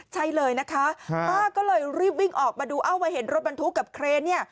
ใช่เลยนะคะป้าก็เลยรีบวิ่งออกมาดูเอ้ามาเห็นรถบรรทุกกับเครนเนี่ย